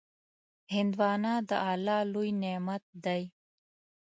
هندوانه د الله لوی نعمت دی.